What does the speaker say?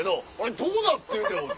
どうなってんねん？